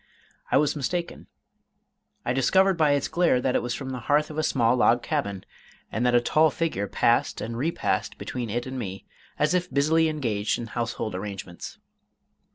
I was mistaken. I discovered by its glare that it was from the hearth of a small log cabin, and that a tall figure passed and repassed between it and me, as if busily engaged in household arrangements.